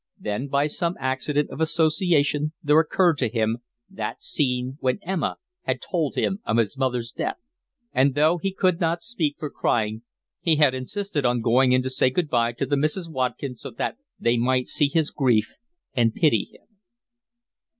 Then by some accident of association there occurred to him that scene when Emma had told him of his mother's death, and, though he could not speak for crying, he had insisted on going in to say good bye to the Misses Watkin so that they might see his grief and pity him.